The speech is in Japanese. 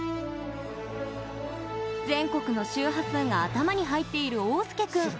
全国の周波数が頭に入っている桜涼君。